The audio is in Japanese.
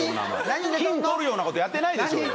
金取るようなことやってないでしょ。